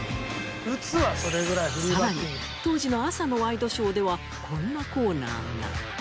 さらに当時の朝のワイドショーではこんなコーナーが。